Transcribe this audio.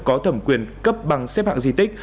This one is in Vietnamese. có thẩm quyền cấp bằng xếp hạng di tích